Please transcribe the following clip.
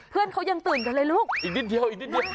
เพื่อนเขายังตื่นกันเลยลูกอีกนิดเดียวอีกนิดนิด